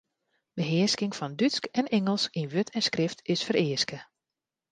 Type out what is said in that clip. Behearsking fan Dútsk en Ingelsk yn wurd en skrift is fereaske.